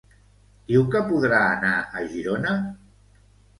Diu que podrà anar a Girona?